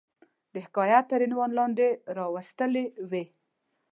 د حکایت تر عنوان لاندي را وستلې وي.